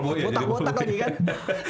botak botak lagi kan